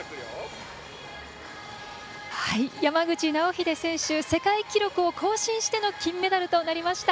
山口尚秀選手世界記録を更新しての金メダルとなりました。